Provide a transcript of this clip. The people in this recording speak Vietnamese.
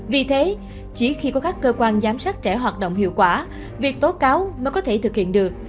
vì thế chỉ khi có các cơ quan giám sát trẻ hoạt động hiệu quả việc tố cáo mới có thể thực hiện được